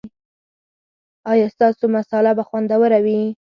ایا ستاسو مصاله به خوندوره وي؟